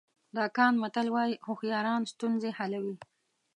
د اکان متل وایي هوښیاران ستونزې حلوي.